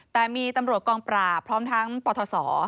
แต่มีตำรวจกองปราบพร้อมทั้งปทศ